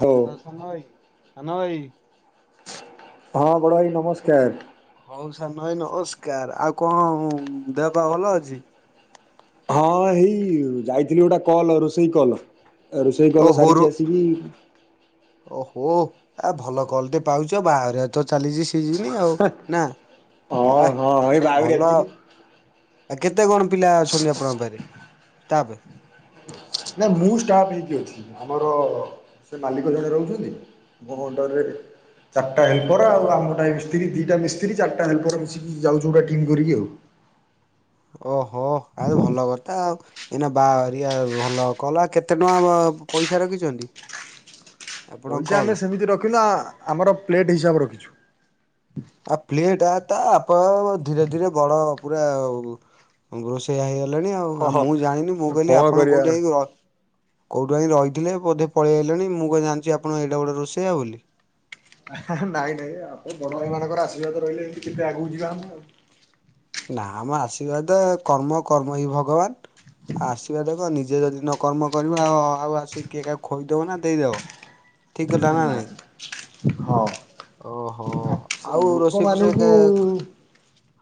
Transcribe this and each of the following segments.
ହଉ ହଁ ସାନ ଭାଇ ସାନ ଭାଇ ହଁ ବଡ଼ଭାଇ ନମସ୍କାର। ହଉ ସାନ ଭାଇ ନମସ୍କାର। ଆଉ କଣ ଦେହ ପା ଭଲ ଅଛି? ହଁ ଏଇ ଯାଇଥିଲି ଗୋଟେ କଲ୍ ରୋଷେଇ କଲ୍। ରୋଷେଇ ଓ କଲ ହୋରୁ ସାରିକି ଆସିକି ଓହୋ, ଆ ଭଲ କଲ୍ ଟେ ପାଉଚ ବାହାଘରିଆ ରେ ତ ଚାଲିଚି ସିଜିନି ଆଉ ନା। ହଁ ଆ ହଁ ଏଇ ଆଉ ବାହାଘରି ଭଲ ଆସିଥିଲି। ଆଉ। ଆ କେତେ କଣ ପିଲା ଅଛନ୍ତି ଆପଣଙ୍କ ପାଖରେ ଷ୍ଟାପେ? ନା ମୁଁ ଷ୍ଟାଫ୍ ହେଇକି ଅଛି। ଆମର ସେ ମାଲିକ ଜଣେ ରହୁଛନ୍ତି। ମୋ ଅଣ୍ଡର ରେ ଚାରିଟା ହେଲ୍ପର ଆଉ ଆମର ମିସ୍ତ୍ରୀ ଦୁଇଟା ମିସ୍ତ୍ରୀ ଚାରଟା ହେଲପର୍ ମିଶିକି ଯାଉଚୁ ଗୋଟ ଟିମ୍ କରିକି ଆଉ। ଓହୋ, ତାହେଲେ ଭଲ କଥା ଆଉ। ଏଇନା ବାହାଘରିଆ ଭଲ କଲ। ଆ କେତେ ଟଙ୍କା ପଇସା ରଖିଛନ୍ତି? ଆପଣ ପଇସା କଲ? ଆମେ ସେମିତି ରଖିନା, ଆମର ପ୍ଲେଟ୍ ହିସାବରେ ରଖିଚୁ। ଆ ପ୍ଲେଟ ଆ ତା ଆପଣ ଧୀରେ ଧୀରେ ବଡ ପୁରା ରୋଷେଇଆ ହେଇଗଲେଣି ଆଉ। ହଁ ଆଉ ହଁ। ମୁଁ ଜାଣିନି ମୁଁ କହିଲି କଣ ଆପଣ କରିବା କୋଉଠି ଏଇ ଗ କୋଉଠୁ ଆଇ ରହିଥିଲେ ବୋଧେ ପଳେଇ ଆଇଲେଣି ମୁଁ କଣ ଜାଣିଚି ଆପଣ ଏଡ଼େ ବଡ଼ ରୋଷେଇଆ ବୋଲି। ହେ ହେ ନାଇଁ ନାଇଁ ଆପଣ ବଡ ଭାଇ ମାନଙ୍କର ଆଶୀର୍ବାଦ ରହିଲେ ଏମିତି କେତେ ଆଗକୁ ଯିବା ଆମେ ଆଉ। ନା ମ ଆଶୀର୍ବାଦ କର୍ମ କର୍ମ ହିଁ ଭଗବାନ। ଆ ଆଶୀର୍ବାଦ କଣ ନିଜେ ଯଦି ନକର୍ମ କରିବ ଆଉ ଆସିକି କିଏ କାହାକୁ ଖୋଇଦେବ ନା ଦେଇଦେବ। ନା ହଁ। ଓହୋ। ଆକ୍ଚୁ ଆଉ ରୋଷେଇ ଫୋଷେଇ ଲୋକମାନଙ୍କୁ କେ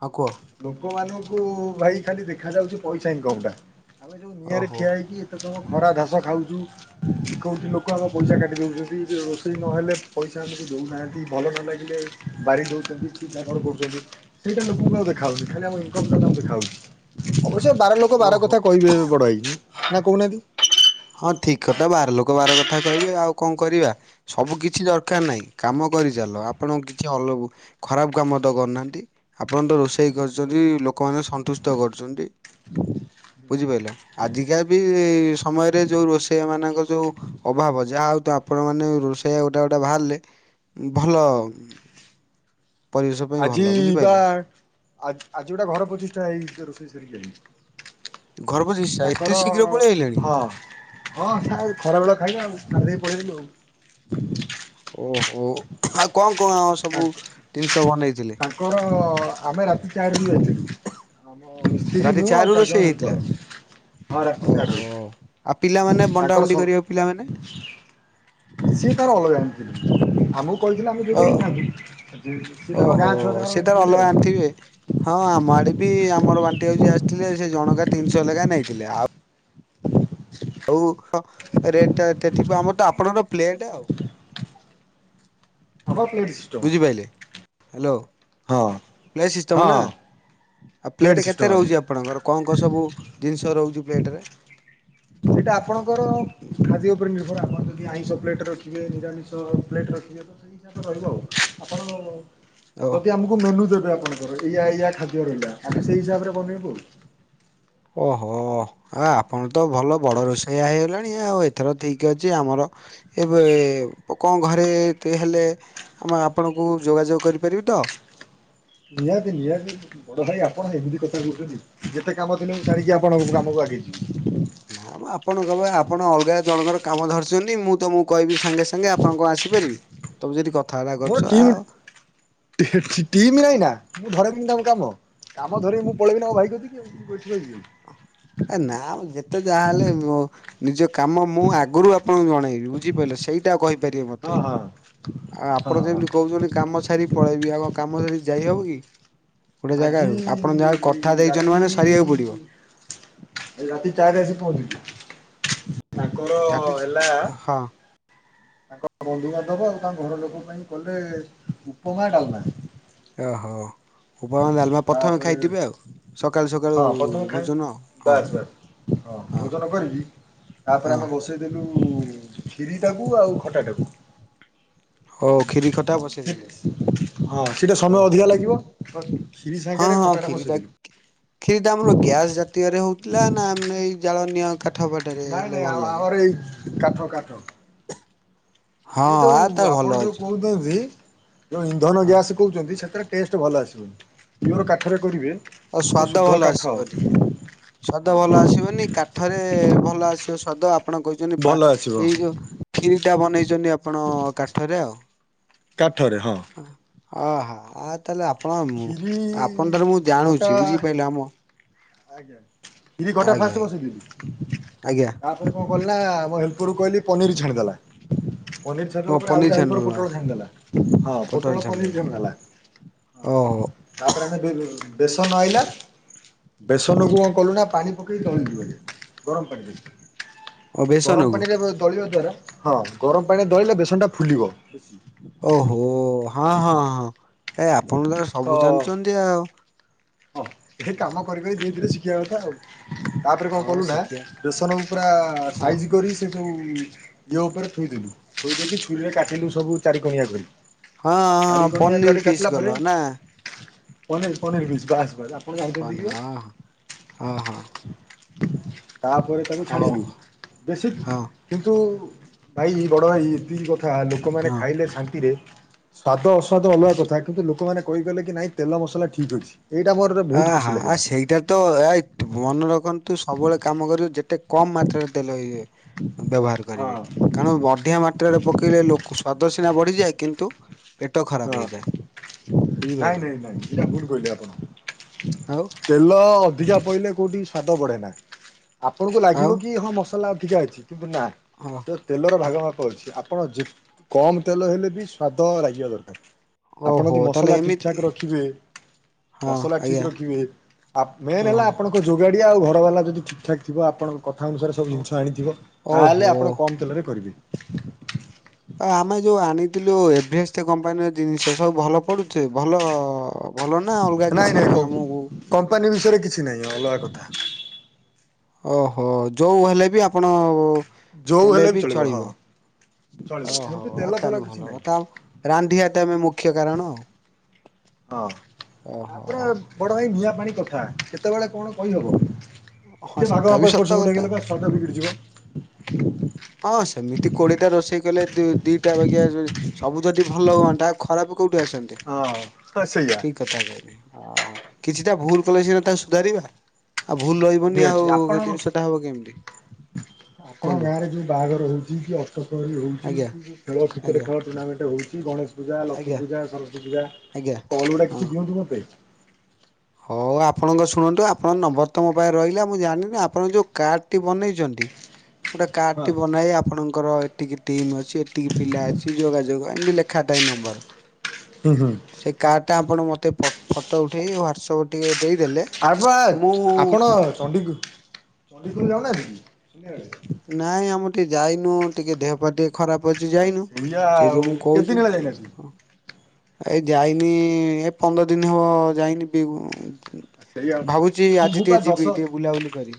ହଁ କୁହ। ଲୋକମାନଙ୍କୁ ଭାଇ ଖାଲି ଦେଖା ଯାଉଚି ପଇସା ଇନକମ୍ ଟା। ଆମେ ଯୋଉ ନିଆଁରେ ଓହୋ ଠିଆ ହେଇକି ଏତେ ସମୟ ଖରା ଧାସ ଖାଉଚୁ। କୋଉଠି ଲୋକ ଆମ ପଇସା କାଟି ଦଉଛନ୍ତି। ଯେ ରୋଷେଇ ନହେଲେ ପଇସା ଆମକୁ ଦଉନାହାନ୍ତି, ଭଲ ନ ଲାଗିଲେ ବାରି ଦଉଛନ୍ତି ଛି ଛାକରା କରୁଛନ୍ତି। ସେଇଟା ଲୋକଙ୍କୁ ଆଉ ଦେଖ୍ ଖାଲି ଆମ ଇନକମ୍ ଟା ତାଙ୍କୁ ଦେଖାଯାଉଚି। ଓହୋ। ନା କହୁନାହାନ୍ତି। ହଁ ଠିକ୍ କଥା ବାର ଲୋକ ବାର କଥା କହିବେ ଆଉ କଣ କରିବା। ସବୁ କିଛି ଦରକାର ନାହିଁ। କାମ କରିଚାଲ, ଆପଣଙ୍କୁ କିଛି। [unintelligible] ଖରାପ କାମ ତ କରୁନାହାଁନ୍ତି। ଆପଣ ତ ରୋଷେଇ କରୁଛନ୍ତି ଲୋକମାନେ ଙ୍କୁ ସନ୍ତୁଷ୍ଟ କରୁଛନ୍ତି। ବୁଝିପାରିଲ। ଆଜିକା ବି ସମୟରେ ଯୋଉ ରୋଷେଇଆ ମାନଙ୍କ ଯୋଉ ଅଭାବ, ଯାହା ହଉ ତ ଆପଣମାନେ ରୋଷେଇ ଗୋଟେ ଗୋଟେ ବାହାରିଲେ ଭଲ [inaudible] ପରିବେଶ ପାଇଁ ଆଜି ଭଲ ବା ବୁଝିପାରିଲ ଆଜି ଗୋଟାଏ ଘର ପ୍ରତିଷ୍ଠା ହେଇ ରୋଷେଇ ସାରିକି ଘର ଆସିଲି। ପ୍ରତିଷ୍ଠା ଏତେ ତାଙ୍କର ଶୀଘ୍ର ପଳେଇ ଆଇଲାଣି। ହଁ। ହଁ ତାଙ୍କର ଖରାବେଳ ଖାଇବେ ଆଉ ସାରିଦେଇକି ପଳେଇଆଇଲୁ ଆଉ ଓହୋ ଆଉ କଣ କଣ ସବୁ ତାଙ୍କ ଜିନିଷ ବନେଇଥିଲେ? ତାଙ୍କର ଆମେ ରାତି ଚାରିରୁ ଯାଇଥିଲୁ। ଆମ ମିସ୍ତ୍ରୀ ରାତି ମୁଁ ଆଉ ଚାରିରୁ ଚାରି ରୋଷେଇ ଜଣ ହେଇଥିଲା। ହେଲ୍ପର। ହଁ ରାତି ଓହୋ ଆଉ ପିଲାମାନେ ଚାରରୁ ତାଙ୍କର ବଣ୍ଟାବଣ୍ଟି ସ କରିବେ ପିଲାମାନେ ସିଏ ତାର ଅଲଗା ଆଣିଥିଲେ ଆମକୁ କହିଥିଲେ ଆମକୁ ଓ ଯୋଗେଇକି ନା ଆମ ଓହୋ ଗାଁ ଛୁଆ ସେ ତାର ତାରଥିଲେ ଅଲଗା ଆଉ ଆଣିଥିବେ। ହଁ ଆମ ଆଡେ ବି ଆମର ବାଣ୍ଟିବାକୁ ଯିଏ ଆସିଥିଲେ ସେ ଜଣକା ତିନିଶହ ଲେଖାଁ ନେଇଥିଲେ ଆଉ ରେଟଟା ଏତେ ଥିବ ତ ଆପଣଙ୍କର ପ୍ଲେଟ ଆଉ ହଉ ପ୍ଲିଜ। ବୁଝିପାରିଲେ ହ୍ୟାଲୋ। ହଁ ପ୍ଲେଟ୍ ସିଷ୍ଟମ ନା ହଁ ଆଉ ପ୍ଲେଟ୍ ସିଷ୍ଟମ୍ କେତେ ରହୁଛି ଆମର ଆପଣଙ୍କର? କଣ କଣ ସବୁ ଜିନିଷ ରହୁଛି ପ୍ଲେଟ୍ ରେ? ସେଇଟା ଆପଣଙ୍କର ଖାଦ୍ୟ ଉପରେ ନିର୍ଭର ଆପଣ ଯଦି ଆଇଁଷ ପ୍ଲେଟ ରଖିବେ ନିରାମିଷ ପ୍ଲେଟ୍ ରଖିବେ ତ ଯାକ ରହିବ ଆଉ ଆପଣ ଓ ଯଦି ଆମକୁ ମେନୁ ଦେବେ ଆପଣଙ୍କର ଏଇଆ ଏଇଆ ଖାଦ୍ୟ ରହିଲା ଆମେ ସେଇ ହିସାବରେ ବନେଇବୁ। ଓହୋ। ହ ଆପଣ ତ ଭଲ ବଡ଼ ରୋଷେଇଆ ହେଇଗଲାଣି ଆଉ ଏଥର ଠିକ୍ ଅଛି ଆମର ଏବେ ଲୋକଙ୍କ ଘରେ ଏତେ ହେଲେ ମୁଁ ଆପଣଙ୍କୁ ଯୋଗାଯୋଗ କରିପାରିବି ତ? ନିହାତି ନିହାତି। ବଡ ଭାଇ ଆପଣ ଏମିତି କଥା କହୁଛନ୍ତି ଯେତେ କାମ ଥିଲେ ଜାଣିକି ଆପଣ କାମକୁ ଆଗେଇବି ନା ମ ଆପଣ କହିବେ ଆପଣ ଅଲଗା ଜଣଙ୍କର କାମ ଧରିଛନ୍ତି ମୁଁ ତମକୁ କହିବି ସାଙ୍ଗେ ସାଙ୍ଗେ ଆପଣ କଣ ଆସିପାରିବେ ତମେ ଯେମିତି କଥାବାର୍ତ୍ତା କରୁଛ ଆଉ ଟିମ ନାହିଁ ନା ମୁଁ ଧରେଇବିନି ତାଙ୍କୁ କାମ କାମ ଧରେଇକି ମୁଁ ପଳେଇବିନା ମୋ ଭାଇ କତିିକି ଆଉ ବୁଝିଲ କି? ଆ ନା ଯେତେ ଯାହା ହେଲେ ନିଜ କାମ ମୁଁ ଆଗରୁ ଆପଣଙ୍କୁ ଜଣେଇବି ବୁଝିପାରିଲ ସେଇଟା କହିବି? ହଁ [unintelligible] ହଁ ହଁ ହଁ ପଳେଇବି ଆଗ କାମ ଛାଡିକି ଯାଇ ହବ କି? ଗୋଟେ ଆଜି ଜାଗାରୁ ଆପଣ ଯାହା କଥା ଦେଇଛନ୍ତି ରାତି ମାନେ ସରିବାକୁ ପଡିବ। ରାତି ଚାର ଆସି ପହଞ୍ଚଛି ତାଙ୍କର ଚାଟି ହେଲା। ହଁ ତାଙ୍କର ବନ୍ଧୁବାନ୍ଧବ ଆଉ ତାଙ୍କ ଘର ଲୋକ ପାଇଁ କଲେ ଉପମା ଡାଲମା ଓହୋ ଉପମା ଡାଲମା। ପ୍ରଥମେ ତାପରେ ଖାଇଥିବେ ଆଉ ସକାଳୁ ହଁ ସକାଳୁ ପ୍ରଥମେ ଖାଏ ଭୋଜନ ଆଉ ହଁ। ବାସ୍ ବାସ୍ ହଁ ଭୋଜନ କରିବି ହଁ ତାପରେ ଆମେ ବସ ସେ ଦେଲୁ ଖିରିଟାକୁ ଆଉ ଖଟାଟାକୁ। ହଉ କ୍ଷୀରି ଖଟା ବସେଇଦେଲେ ହଁ ସେଇଟା ସମୟ ଅଧିକା ଓହୋ। ଲାଗିବ ତ କ୍ଷୀରି ହଁ ସାଙ୍ଗରେ ହଁ ଖଟାଟା ଖିରିଟା ବସେଇଦେଲୁ କ୍ଷୀରି ଆମର ଗ୍ୟାସ ଜାତୀୟରେ ହଉଥିଲା ନା ଆମେ ଏଇ ଜାଳନୀୟ କାଠପାଠରେ ନାଇଁ ହେଲେ ନାଇଁ ଭଲ ଲାଗେ। ଆମର ଏଇ କାଠ କାଠ। ହଁ ଇଏ ଆ ତା ଯୋଉ ଭଲ ଆପଣ ଯୋଉ ଅଛି କହୁଛନ୍ତି? ଯେଉଁ ଇନ୍ଧନ ହଁ ଗ୍ୟାସ୍ କହୁଛନ୍ତି ସେଥିରେ ଟେଷ୍ଟ ଭଲ ଆସିବନି ତେଣୁ କାଠରେ କରିବେ ଆଉ ଯୋଉ ସ୍ୱାଦ ଶୁଦ୍ଧ ଭଲ କାଠ ଆସିବନି ସ୍ଵାଦ ଭଲ ହଁ ଆସିବନି କା ଥରେ ଭଲ ଆସିବ ସ୍ୱାଦ ଆପଣ କହୁଛନ୍ତି ପା ଭଲ ଆସିବ ସେଇ ଯୋଉ କ୍ଷିରି ଟା ବନେଇଛନ୍ତି ଆପଣ କାଠରେ ଆଉ କାଠରେ ହଁ ଓହୋ ଆ ତାହେଲେ ଆପଣ କ୍ଷୀରି ଆପଣ ଠାରୁ ମୁଁ ଖଟା ଜାଣୁଛି ବୁଝିପାରିଲ ଆମ ଆଜ୍ଞା ଦିଦି ଘଟା ଆଜ୍ଞା ଆଜ୍ଞା ଫାଷ୍ଟ ବସେଇ ଦିି ଆଜ୍ଞା। ଆପଣ କଣ କିଲ ନା ଆମ ହେଲ୍ପର କୁ କହିଲି ପନିର ଛାନିର ଛାଣି ଦେଲା। ପନିର ଓ ଛନିଦେଲା ପରେ ପନିର ଆଉ ଯା ଛାଣିଦେଲ ପୋଟଳ ଛନି ଦେଲା ହଁ ପୋଟଲ ପୋଟଳ ପନିର ଛାଣିଦେଲ ଛାଣିଦେଲା। ଓହୋ। ତାପରେ ଆମେ ବେସନ ଆଇଲା। ବେସନକୁୁ କଣ କଲୁ ନା ପାଣି ପକେଇ ଦଳିଲୁ ଗରମ ପାଣି ଓ ଦେଇ ଗରମ ବେସନକୁ ପାଣିରେ ଦଳିବା ଦ୍ଵାରା ହଁ ଗରମ ପାଣିରେ ଦଳିଲେ ବେସନ ଟା ଫୁଲିବ। ଓହୋ ହଁ ହଁ ହଁ ଏ ଆପଣ ତ ସବୁ ଜାଣିଛନ୍ତି ଆଉ। ହଁ ଏ କାମ କରିକରି ଦିଇ ଧୀରେ ଶିଖିବା କଥା ଆଉ। ତାପରେ କଣ ହଁ କଲୁ ଶିଖିବା ନା ସନ ପୁରା ହଁ। ସାଇଜ କରି ଇଏ ଉପରେ ଥୋଇଦଲୁ ଥୋଇ ଦେଇକି ଛୁରୀରେ କାଟିଲୁ ସବୁ ଚାରି କଣିଆ କରି। ହଁ ହଁ ଚାରି କଣିଆ ପନିର କରିକି ପିସ୍ କାଟିଲ କଲ ପରେ ନା ପନିର ପନିର ପିସ ବାସ [unintelligible] ଦେଖିବ। ପନିର ହଁ ହଁ ହଁ ତାପରେ ତାକୁ ହଉ ଛାଡିଲୁ ବେଶୀ ହଁ କିନ୍ତୁ ଭାଇ ବଡ଼ ଭାଇ ଏତିକି କଥା ଲୋକମାନେ ହଁ। ଖାଇଲେ ଶାନ୍ତିରେ ସ୍ଵାଦ ଅସ୍ୱାଦ ଅଲଗା କଥା କିନ୍ତୁ ଲୋକମାନେ କହିଗଲେ କି ନାଇଁ ତେଲ ମସଲା ଠିକ୍ ଅଛି। ଏଇଟା ମୋର ଆ ବହୁତ ହା ଖୁସି ଆ ଲାଗିଲା। ସେଇଟା ତ ଏ ମନେ ରଖନ୍ତୁ ସବୁବେଳେ କାମ କରିବୁ ଯେତେ କମ୍ ମାତ୍ରାରେ ଦେଲ ଇଏ ବ୍ୟବହାର ହଁ କରିବି କାରଣ ବଢିଆ ମାତ୍ରାରେ ପକେଇଲେ ଲୋକ ସ୍ୱାଦ ସିନା ବଢିଯାଏ କିନ୍ତୁ ପେଟ ଖରାପ ହଁ ହେଇଯାଏ ବୁଝିପାରିଲ। ଏଟା କୁଣ କହିଲେ ଆପଣ। ଆଉ। ତେଲ ଅଧିକା ପଇିଲଲେ କୋଉଠି ସ୍ଵାଦ ବଢେ ନାହି। ଆପଣଙ୍କୁ ଆଉ ଲାଗିବ କି ହଁ ମସଲା ଅଧିକା ହେଇଛି କିନ୍ତୁ ନା ହଁ ତ ତେଲର ଆଉ ଭାଗମାପ [unintelligible] ଆପଣ ଯେ କମ ତେଲ ହେଲେ ବି ସ୍ଵାଦ ଲାଗିବା ଦରକାର। ଆପଣ ଓହୋ ଯଦି ତାହେଲେ ମସଲା ଠିକ୍ ଏମିତି ଠାକ୍ ରଖିବେ ହଁ ମସଲା ଠିକ ଆଜ୍ଞା ରଖିବେ ଆପ ମେନ୍ ହେଲା ଓହୋ ଆପଣ ଯୋଗାଡିଆ ଅଉ ଘର ବାଲା ଯଦି ଠିକ ଠାକ ଆପଣଙ୍କ କଥା ଅନୁସାରେ ସବୁ ହଉ ଜିନିଷ ଆଣିଥିବ ତାହେଲେ ଓହୋ। ଆପଣ କମ୍ ତେଲରେ କରିବେ। ଆମେ ଯୋଉ ଆଣିଥିଲୁ ଏଭରେଷ୍ଟ କମ୍ପାନୀର ଜିନିଷ ସବୁ ଭଲ ପଡୁଛେ ଭଲ ଭଲ ନା ଅଲଗା ନାଇଁ କିଛି ନାଇଁ ଆମକୁ କମ୍ପାନୀ ବିଷୟରେ କିଛି ନାହିଁ ଅଲଗା କଥା। ଓହୋ ଯଉଁ ହେଲେ ବି ଆପଣ ହେଲେ ବି ଚଳିବ ଚଳିବ ଓହୋ ସେମିତି ଆ ତେଲ ଫେଲ ତାହେଲେ କିଛି ଭଲ ନାହିଁ କଥା ଆଉ। [unintelligible] ମୁଖ୍ୟ କାରଣ। ହଁ ଓହୋ। ତାପରେ ବଡ ଭାଇ ନିଆଁ ପାଣି କଥା କେତେବେଳେ କଣ କହିହବ? ହଁ ଟିକେ ସେଟା ଭାଗ ବି ମାପ ଏପଟ ସତ ସେପଟ କଥା ହେଇଗଲେ ସ୍ଵ୍ଵାଦ ବିଗିଡି ଯିବ। ହଁ ସେମିତି କୋଡିଟା ରୋଷେଇ କଲେ ଦି ଦିଟା ବାଗା ସବୁ ଯଦି ଭଲ ହୁଅନ୍ତା। ଖରାପ କୋଉଠି ଆସନ୍ତି ହଁ ହଁ ସେଇଆ ଠିକ ଅ ଏମିତି କିଛିଟା ଭୁଲ କଲେ ସିନା ତାକୁ ସୁଧାରିବା। ଆଉ ଭୁଲ ରହିବନି ନିହାତି ଆଉ ଆପଣ ଜିନିଷଟା ହବ କେମିତି? ଆପଣ କୁହନ୍ତୁ ଗାଁରେ ଯୋଉ ବାହାଘର ହଉଛି କି। [unintelligible] ହଉଛି ଆଜ୍ଞା ଖେଳ କ୍ରିକେଟ ଆଜ୍ଞା ଖେଳ ଟୁର୍ଣ୍ଣାମେଣ୍ଟ ହଉଛି ଗଣେଶ ପୂଜା ଲକ୍ଷ୍ମୀ ଆଜ୍ଞା ପୂଜା ସରସ୍ଵତି ଆଜ୍ଞା ପୂଜା କଲ ଗୁଡା ହଁ। କିଛି ଦିଅନ୍ତୁ ମୋତେ। ହଉ ଆପଣଙ୍କ ଶୁଣନ୍ତୁ ଆପଣଙ୍କ ନମ୍ବର ତ ମୋ ପାଖରେ ରହିଲା ମୁଁ ଜାଣିନି ଆପଣଙ୍କ ଯୋଉଁ କାର୍ଡ଼ଟି ବନେଇଛନ୍ତି। ଗୋଟେ କାର୍ଡ ହଁ। ଟି ବନାଇ ଆପଣଙ୍କର ଏତିକି ଟିମ୍ ଅଛି ଏତିକି ପିଲା ଅଛି ଯୋଗାଯୋଗ ଆମେ ବି ଲେଖାଥାଏ ନମ୍ବର। [inaudible] ସେଇ କାର୍ଡଟା ଆପଣ ମତେ ଫ ଫଟୋ ଉଠେଇ ହ୍ୱାଟସଆପ୍ ଟିକେ ଦେଇଦେଲେ ଆର୍ ବା ମୁଁ ଆପଣ ଚଣ୍ଡି ଚଣ୍ଡିଗଡ଼ ଯାଉନାହାନ୍ତି କି? ନାଇଁ ଆମର ଟିକେ ଯାଇନୁ ଟିକେ ଦେହ ପାତି ଖରାପ ଅଛି ଆ ଯାଇନୁ ସେଇଆ ଆଉ ସେଇଥି ମୁଁ କେତେ ଦିନ କହୁଛି ହେଲା ଯାଇନାହାନ୍ତି? ଏ ଯାଇନି ଏ ପନ୍ଦର ଦିନ ହେବ ଯାଇନି। ସେଇଆ ଭାବୁଛି ଆଜି ମୁଁ ଟିକେ ପା ଦଶ ଯିବି ଟିକେ ବୁଲାବୁଲି କରି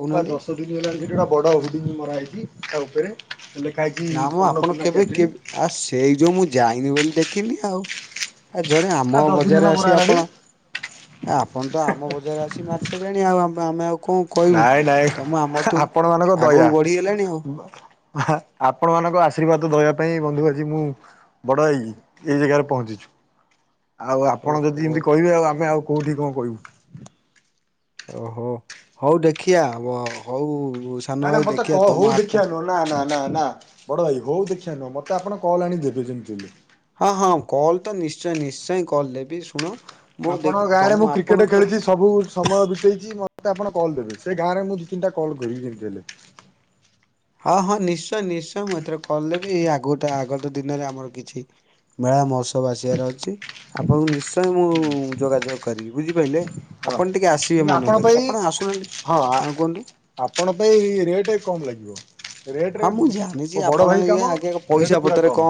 କହୁନାହାନ୍ତି। [unintelligible] ବଡ଼ ହୋଡିଙ୍ଗ ମରାହଇଛି ତା ଉପରେ ଲେଖା ହେଇଛି ଅର୍ଣ୍ଣପୂର୍ଣ୍ଣା କ୍ୟାଟ୍ରରିଂ। ଆଉ ସେଇ ଯୋଉ ମୁଁ ଯାଇନି ବୋଲି ଦେଖିନି ଆଉ। ଆ ଜଣେ ଆ ଆମ ଦଶ ଦିନ ବଜାରରେ ହେଲା ମରା ଆସି ହେଲାଣି ଆପଣ ଏ ଆପଣ ତ ଆମ ବଜାରରେ ଆସି ମାରି ସାରିଲେଣି ଆଉ ଆମେ ଆଉ କଣ? କହିବୁ। ନାଇଁ ନାଇଁ ତମ ଆମଠୁ ଆପଣ ମାନଙ୍କ ଆଗକୁ ଦୟା। ବଢିଗଲାଣି ଆଉ ଆପଣ ମାନଙ୍କ ଆଶୀର୍ବାଦ ଦୟା ପାଇଁ ବନ୍ଧୁ ଆଜି ମୁଁ ବଡ଼ ହେଇକି ଏଇ ଜାଗାରେ ପହଞ୍ଚିଛୁ। ଆଉ ଆପଣ ଯଦି ଓହୋ ଏମିତି କହିବେ ଆଉ ଆମେ ଆଉ କୋଉଠି କଣ କହିବୁ? ଓହୋ ହଉ ଦେଖିଆ ହଉ ନା ସାନ ନା ଭାଇ ମତେ କ ଦେଖିବା ହଉ ତମ ଦେଖିବା ହାତ ନୁହଁ ନା ନା ନା ନା ବଡ଼ ଭାଇ ହଉ ଦେଖିବା ନୁ ମୋତେ ଆପଣ କଲ୍ ଆଣିି ଦେବେ ଯେମିତି। ହଁ ହଁ କଲ୍ ତ ନିଶ୍ଚୟ ନିଶ୍ଚୟ କଲ ଦେବି ଶୁଣ ମୁଁ ଆପଣଙ୍କ ଦେଖି ଗାଁ ତମ ରେ ମୁଁ କ୍ରିକେଟ ଆପଣଙ୍କ ଖେଳିଛି ସବୁ ସମୟ ବିତେଇଛି ମତେ ଆପଣ କଲ୍ ଦେବେ ସେ ଗାଁରେ ମୁଁ ଦି ତିନଟା କଲ କରିକି ଯେମିତି ହେଲେ। ହଁ ହଁ ନିଶ୍ଚୟ ନିଶ୍ଚୟ ମୁଁ ଏଥିରେ କଲଦେବି ଏଇ ଆଗଟା ଆଗତ ଦିନରେ ଆମର କିଛି ମେଳା ମହୋତ୍ସବ ଆସିବାର ଅଛି ଆପଣଙ୍କୁ ନିଶ୍ଚୟ ମୁଁ ଯୋଗାଯୋଗ କରିବି ବୁଝିପାରିଲେ। ହଁ ଆପଣ ଟିକେ ଆସିବେ କିନ୍ତୁ ମନେକରିକି ପାଇଁ ଆପଣ ଆସୁନାହାନ୍ତି ହଁ କୁହନ୍ତୁ। ଆପଣ ପାଇଁ ରେଟ୍ କମ ଲାଗିବ। ରେଟରେ ହଁ ମୁଁ ଜାଣିଛି ମୋ ବଡ଼ ଆପଣ ଭାଇ ଇଏ କାମ ଆଗେ ରେଟ୍ ପୁରା କମ୍।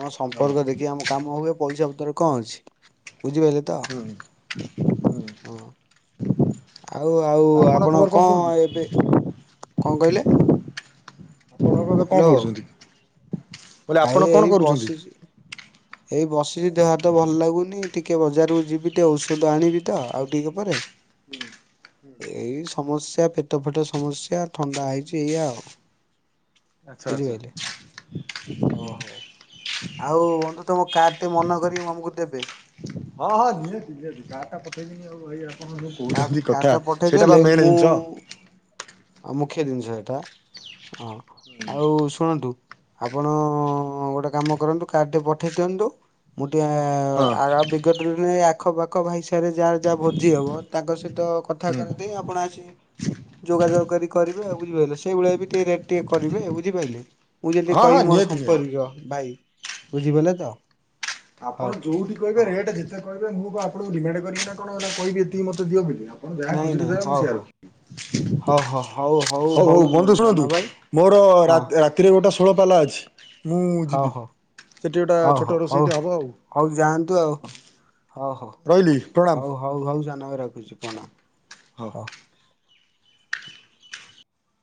ହଁ ସମ୍ପର୍କ ଦେଖି ଆମ କାମ ହୁଏ ପଇସା ପତର କଣ ଅଛି ବୁଝିପାରିଲେ? ତ ହୁଁ ହୁଁ। ହଁ। ଆଉ ଆଉ ଆପଣ କଣ ଏବେ କଣ କହିଲେ? ଆପଣ ଏ କଣ ହ୍ୟାଲୋ କରୁଛନ୍ତି ମୁଁ କହିଲି ଆଇ ଆପଣ ଏଇ କଣ କରୁଛନ୍ତି? ବସିଛି। ଏଇ ବସିଛି ଦେହହାତ ଭଲ ଲାଗୁନି ଟିକିଏ ବଜାରକୁ ଯିବି ଟିକେ ଔଷଧ ଆଣିବି ତ ଆଉ ଟିକେ ପରେ ହୁଁ ଏଇ ସମସଯ୍ୟା ପେଟ ଫେଟ ସମସ୍ୟା ଥଣ୍ଡା ହେଇଛି ଏଇଆ ଆଉ ଆଛା ଆଛା। ଓହୋ ଆଉ ତମ କାର୍ଡ଼ଟେ ମନକରି ମୁଁ ଆମକୁ ଦେବେ। [inaudible] କଣ ଗୋଟେ କାର୍ଡ କହୁଛନ୍ତି କାର୍ଡ କଥା ଟା ସେଇଟା ପଠେଇଦେଲେ ବା ମେନ୍ ଜିନିଷ। ଆ ମୁଖ୍ୟ ଜିନିଷ ହେଟା ହଁ ଆଉ ଶୁଣନ୍ତୁ? ଆପଣ ଗୋଟେ କାମ କରନ୍ତୁ, କାର୍ଡ଼ଟେ ପଠେଇ ଦିଅନ୍ତୁ। ମୁଁ ହଁ ଟିକେ [unintelligible] ଆଖ ପାଖ ଭାଇସିରେ ଯାହାର ଯାହା ଭୋଜି ହବ ତାଙ୍କ ସହିତ କଥା ହୁଁ କରେ ଦେଇ ଆପଣ ଆସି ଯୋଗାଯୋଗ କରି କରିବେ ଆଉ ବୁଝିପାଇଲ, ସେଇଭଳିଆ ବି ଟିକେ ରେଟ୍ ଟିକେ କରିବେ ଆଉ ବୁଝିପାରଲେ। ମୁଁ ଯେଦି ହଁ ହଁ କହିବି ମୋର ନିହାତି ନିହାତି। ସମ୍ପର୍କୀୟ ଭାଇ ବୁଝିପାଲେ ତ। ଆପଣ ହଉ ଯୋଉଠି କହିବେ ହଉ ରେଟ୍ ଯେତେ କହିବେ ମୁଁ କଁ ଆପଣଙ୍କୁ ଡିମାଣ୍ଡ୍ କରିବି ନା କଣ ଏଡା କହିବି ଏତିକି ମୋତେ ଦିଅ ବୋଲି ଆଉ। ଆପଣ ଯାହା ନାଇଁ ଖୁସିରେ ନାଇଁ ଦେବେ ମୁଁ ହଉ ସେୟା ରଖିବି, ହଉ ହଉ ହଉ ହଉ- ହଉ ବନ୍ଧୁ ସାନ ଶୁଣନ୍ତୁ? ଭାଇ ମୋର ହଁ ରା- ରାତିରେ ଗୋଟେ ଷୋଳ ପାଲା ଅଛି, ମୁଁ ହଉ ଯିବି ହଉ ସେଠି ଗୋଟେ ହଉ ଛୋଟ ହଉ ରୋଷେଇ ଏ ହଉ ହବ ଆଉ ହଉ ଯାଆନ୍ତୁ ଆଉ ହଉ ହଉ। ରହିଲି ପ୍ରଣାମ୍। ହଉ ହଉ ହଉ ସାନ ଭାଇ ରଖୁଛି ପଣ। ହୋଉ।